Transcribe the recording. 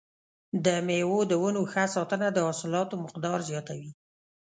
د مېوو د ونو ښه ساتنه د حاصلاتو مقدار زیاتوي.